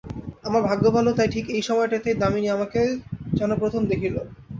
আমার ভাগ্য ভালো, তাই ঠিক এই সময়টাতেই দামিনী আমাকে যেন প্রথম দেখিল।